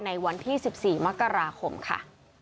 ในวันที่๑๔มกราคมค่ะ